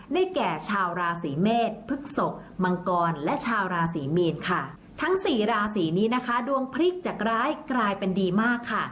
แก่ชาวราศีเมษพฤกษกมังกรและชาวราศรีมีนค่ะทั้งสี่ราศีนี้นะคะดวงพลิกจากร้ายกลายเป็นดีมากค่ะ